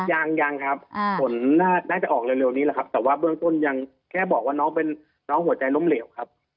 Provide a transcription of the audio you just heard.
ยังยังครับผลน่าจะออกเร็วนี้แหละครับแต่ว่าเบื้องต้นยังแค่บอกว่าน้องเป็นน้องหัวใจล้มเหลวครับ